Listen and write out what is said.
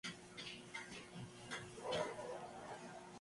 Se trata de la primera capilla pintada por Jean Cocteau.